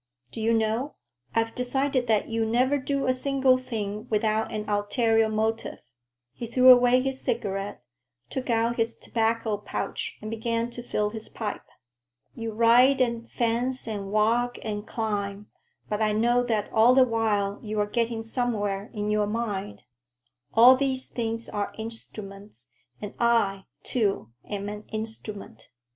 Do you know, I've decided that you never do a single thing without an ulterior motive." He threw away his cigarette, took out his tobacco pouch and began to fill his pipe. "You ride and fence and walk and climb, but I know that all the while you're getting somewhere in your mind. All these things are instruments; and I, too, am an instrument."